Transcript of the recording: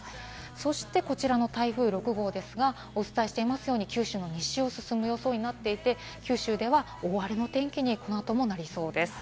そしてこちらの台風６号ですが、九州の西を進む予想になっていて、九州では大荒れの天気にこの後もなりそうです。